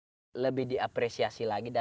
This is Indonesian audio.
untuk berbicara tentang perjalanan ke gorontalo